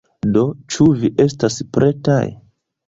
Do, ĉu vi estas pretaj?